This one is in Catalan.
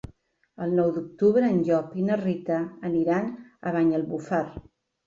El nou d'octubre en Llop i na Rita aniran a Banyalbufar.